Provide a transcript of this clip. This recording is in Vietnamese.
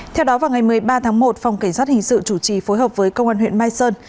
theo đó vào ngày một mươi ba tháng một phòng cảnh sát hình sự chủ trì phối hợp với công an huyện mai sơn